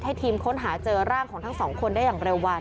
ทีมค้นหาเจอร่างของทั้งสองคนได้อย่างเร็ววัน